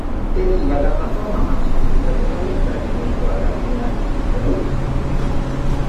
Deriva da una forma manoscritta della lettera minuscola Latina q.